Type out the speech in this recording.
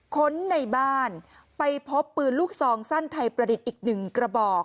ค้นในบ้านไปพบปืนลูกซองสั้นไทยประดิษฐ์อีกหนึ่งกระบอก